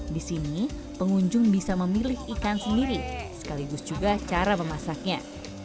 di sini pengunjung bisa memilih ikan sendiri sekaligus juga cara memasaknya